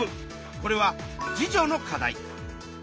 これは自助の課題。